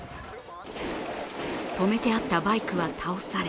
止めてあったバイクは倒され